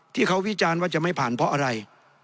วิจารณ์ว่าจะไม่ผ่านเพราะอะไร